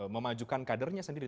memajukan kadernya sendiri